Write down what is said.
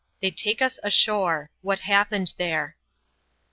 They take lis ashore. — What happened there.